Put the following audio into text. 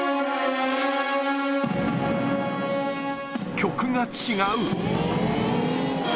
曲が違う。